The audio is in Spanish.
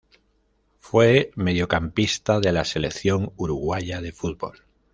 Fue mediocampista de la selección uruguaya de fútbol.